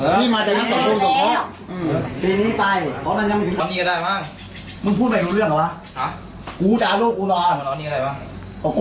เขาอยู่นี่ทำไมครับไอ้เม็ดกูไม่ตอบใจหรอก